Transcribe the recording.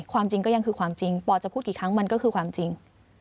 ความจริงก็ยังคือความจริงปอจะพูดกี่ครั้งมันก็คือความจริง